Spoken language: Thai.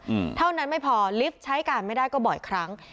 อืมเท่านั้นไม่พอลิฟต์ใช้การไม่ได้ก็บ่อยครั้ง